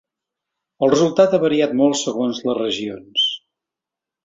El resultat ha variat molt segons les regions.